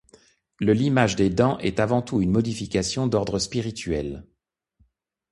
Le limage des dents est avant tout une modification d’ordre spirituel.